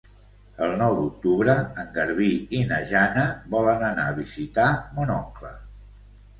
El nou d'octubre en Garbí i na Jana volen anar a visitar mon oncle.